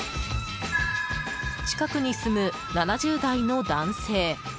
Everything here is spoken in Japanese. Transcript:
近くに住む７０代の男性。